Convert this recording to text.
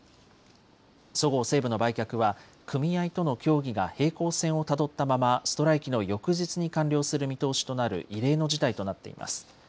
そごう・西武の売却は組合との協議が平行線をたどったままストライキの翌日に完了する見通しとなる異例の事態となっています。